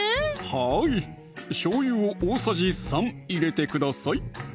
はいしょうゆを大さじ３入れてください